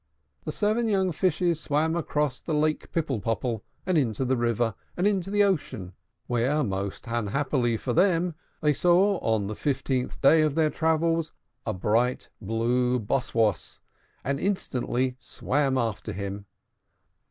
The seven young Fishes swam across the Lake Pipple Popple, and into the river, and into the ocean; where, most unhappily for them, they saw, on the fifteenth day of their travels, a bright blue Boss Woss, and instantly swam after him.